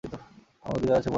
আমার অধিকার আছে, পুনাম।